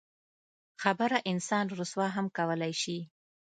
خبره انسان رسوا هم کولی شي.